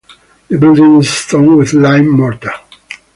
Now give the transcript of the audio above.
The building is stone with lime mortar.